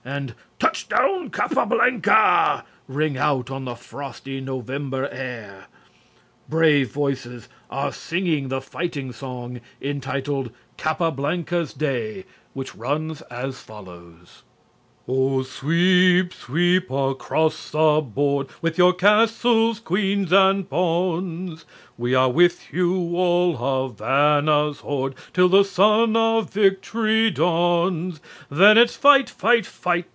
and "Touchdown, Capablanca!" ring out on the frosty November air. Brave voices are singing the fighting song entitled "Capablanca's Day" which runs as follows: "Oh, sweep, sweep across the board, With your castles, queens, and pawns; We are with you, all Havana's horde, Till the sun of victory dawns; Then it's fight, fight, FIGHT!